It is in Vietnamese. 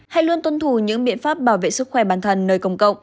hãy luôn tuân thủ những biện pháp bảo vệ sức khỏe bản thân nơi công cộng